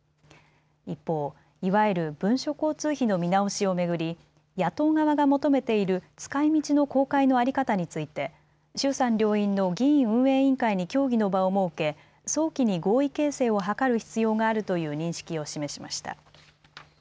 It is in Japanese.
一方、いわゆる文書交通費の見直しを巡り野党側が求めている使いみちの公開の在り方について衆参両院の議院運営委員会に協議の場を設け、早期に合意形成を図る必要があるという認識を示しました。